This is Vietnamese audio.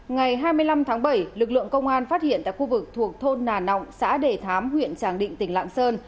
ngày hai mươi năm tháng bảy lực lượng công an phát hiện tại khu vực thuộc thôn nà nọng xã đề thám huyện tràng định tỉnh lạng sơn